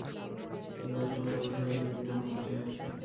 এই অসময়েও বসার ঘরে কে যেন বসে আছে।